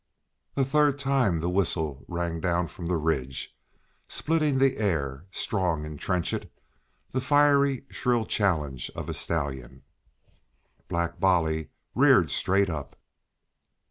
A third time the whistle rang down from the ridge, splitting the air, strong and trenchant, the fiery, shrill challenge of a stallion. Black Bolly reared straight up.